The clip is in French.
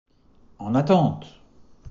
En attente!